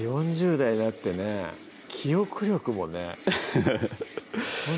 ４０代になってね記憶力もねハハハ